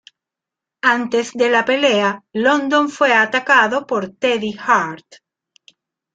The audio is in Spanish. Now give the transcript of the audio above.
Antes de la pelea, London fue atacado por Teddy Hart.